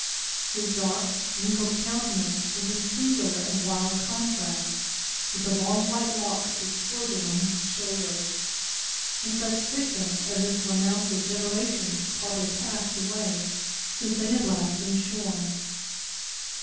His dark, wrinkled countenance was in singular and wild contrast with the long white locks which floated on his shoulders, in such thickness, as to announce that generations had probably passed away since they had last been shorn.